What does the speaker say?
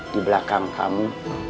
di belakang kamu